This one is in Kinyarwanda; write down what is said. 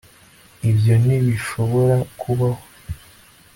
ibyo ntibishobora kubaho